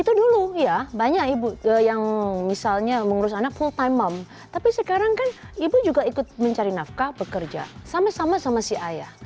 itu dulu ya banyak ibu yang misalnya mengurus anak full time mom tapi sekarang kan ibu juga ikut mencari nafkah bekerja sama sama sama si ayah